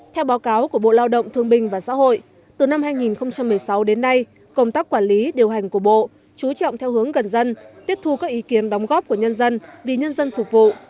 theo báo cáo của bộ lao động thương binh và xã hội từ năm hai nghìn một mươi sáu đến nay công tác quản lý điều hành của bộ chú trọng theo hướng gần dân tiếp thu các ý kiến đóng góp của nhân dân vì nhân dân phục vụ